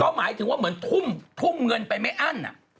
หมายถึงว่าเหมือนทุ่มเงินไปไม่อั้น